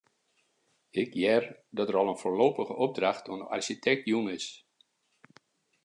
Ik hear dat der al in foarlopige opdracht oan de arsjitekt jûn is.